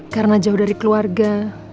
karena jauh dari keluarga